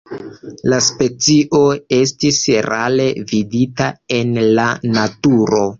La specio estis rare vidita en la naturo.